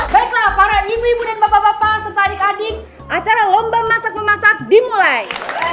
baiklah para ibu ibu dan bapak bapak serta adik adik acara lomba masak memasak dimulai